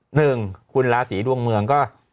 หนึ่งคุณราศีดวงเมืองก็